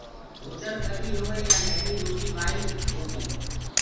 هوٽل ٻڏي هوئي يآن نهيني روٽي وآئي هوسي